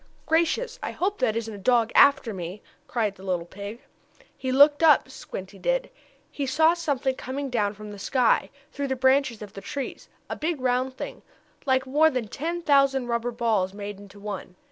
"Gracious! I hope that isn't a dog after me!" cried the little pig. He looked up, Squinty did. He saw coming down from the sky, through the branches of the trees, a big round thing, like more than ten thousand rubber balls, made into one.